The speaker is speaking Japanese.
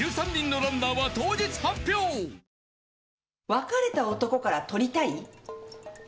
別れた男から取りたい？